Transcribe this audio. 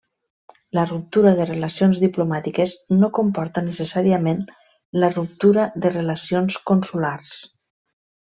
La ruptura de relacions diplomàtiques no comporta necessàriament la ruptura de relacions consulars.